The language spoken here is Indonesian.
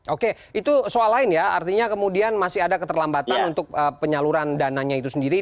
oke itu soal lain ya artinya kemudian masih ada keterlambatan untuk penyaluran dananya itu sendiri